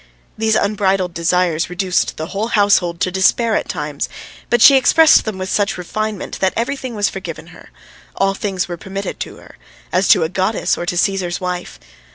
These unbridled desires reduced the whole household to despair at times, but she expressed them with such refinement that everything was forgiven her; all things were permitted her as to a goddess or to Cæsar's wife.